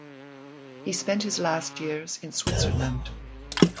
He spent his last years in Switzerland.